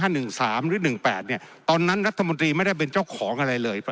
หนึ่งสามหรือ๑๘เนี่ยตอนนั้นรัฐมนตรีไม่ได้เป็นเจ้าของอะไรเลย